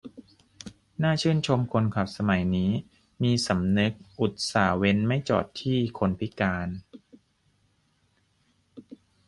น่าชื่นชมคนขับสมัยนี้มีสำนึก อุตส่าห์เว้นไม่จอดที่คนพิการ